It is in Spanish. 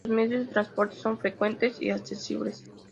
Los medios de transporte son frecuentes y accesibles.